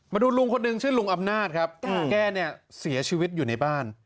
มาดูลุงคนหนึ่งชื่อลุงอำนาจครับแกเนี่ยเสียชีวิตอยู่ในบ้าน